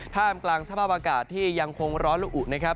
ท่ามกลางสภาพอากาศที่ยังคงร้อนละอุนะครับ